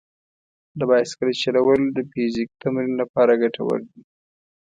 د بایسکل چلول د فزیکي تمرین لپاره ګټور دي.